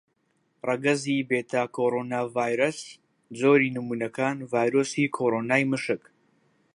ڕەگەزی بێتاکۆڕوناڤایرەس: جۆری نموونەکان: ڤایرۆسی کۆڕۆنای مشک.